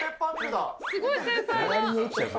すごい繊細だ。